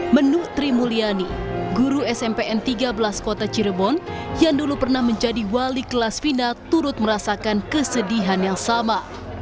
menu trimulyani guru smpn tiga belas kota cirebon yang dulu pernah menjadi wali kelas fina turut merasakan kesedihan yang sama